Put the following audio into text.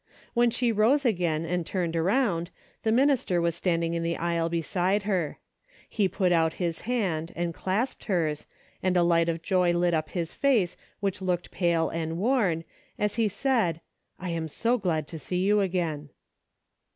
When she rose again and turned around, the minister was standing in the aisle beside her. He put out his hand and clasped hers, and a light of joy lit up his face which looked pale and worn, as he said, " I am so glad to see you again.